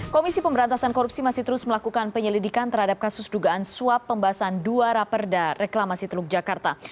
komisi pemberantasan korupsi masih terus melakukan penyelidikan terhadap kasus dugaan suap pembahasan dua raperda reklamasi teluk jakarta